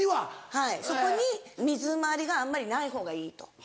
はいそこに水回りがあんまりない方がいいと。